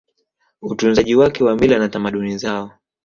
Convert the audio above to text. utunzaji wake wa mila na tamaduni zao